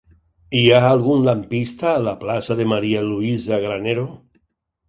Hi ha algun lampista a la plaça de María Luisa Granero?